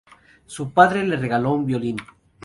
Su padre le regaló un violín.